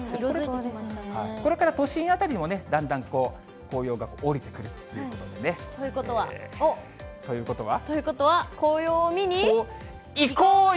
これから都心辺りもね、だんだん紅葉が下りてくるということでね。ということは。ということは？